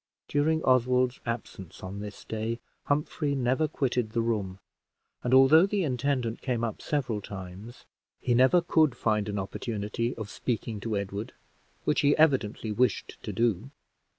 During Oswald's absence on this day, Humphrey never quitted the room; and although the intendant came up several times, he never could find an opportunity of speaking to Edward, which he evidently wished to do.